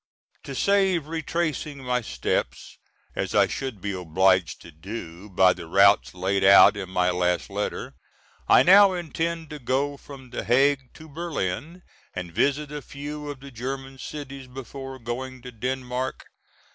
To save retracing my steps, as I should be obliged to do by the routes laid out in my last letter, I now intend to go from The Hague to Berlin and visit a few of the German cities before going to Denmark.